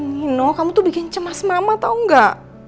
nino kamu tuh bikin cemas mama tau gak